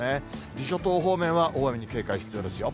伊豆諸島方面は大雨に警戒、必要ですよ。